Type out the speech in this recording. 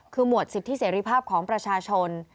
คือหมวดสิทธิเสรีภาพของประชาชน